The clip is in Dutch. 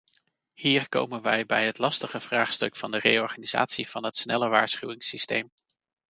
Hier komen wij bij het lastige vraagstuk van de reorganisatie van het snelle waarschuwingssysteem.